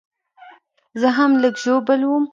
زه هم لږ ژوبل وم